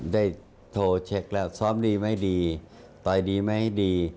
ได้โทรเช็คแล้วซ้อมดีไหมดีต่อยดีไหมดี